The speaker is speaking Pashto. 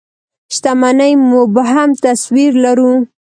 شتمنۍ مبهم تصوير لرو.